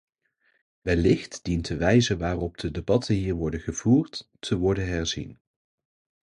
Wellicht dient de wijze waarop de debatten hier worden gevoerd, te worden herzien.